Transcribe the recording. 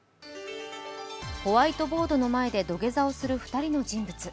ホワイトボードの前で土下座をする２人の人物。